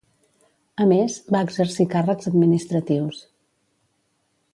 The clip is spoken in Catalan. A més, va exercir càrrecs administratius.